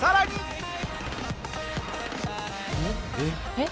えっ？